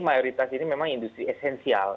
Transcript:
mayoritas ini memang industri esensial